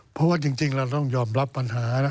เพราะว่าจริงเราต้องยอมรับปัญหานะ